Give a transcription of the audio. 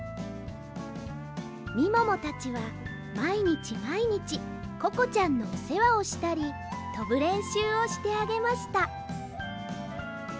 みももたちはまいにちまいにちココちゃんのおせわをしたりとぶれんしゅうをしてあげました